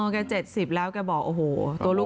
เก้าเจ็ดสิบแล้วแกบอกโอ้โหตัวโล่